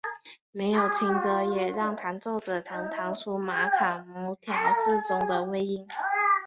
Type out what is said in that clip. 没有琴格也让弹奏者能弹出玛卡姆调式中的微音。